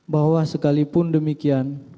bahwa sekalipun demikian